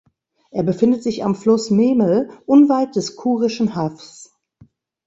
Er befindet sich am Fluss Memel unweit des Kurischen Haffs.